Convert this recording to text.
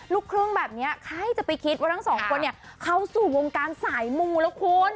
ลูกครึ่งแบบนี้ใครจะไปคิดว่าทั้งสองคนเนี่ยเข้าสู่วงการสายมูแล้วคุณ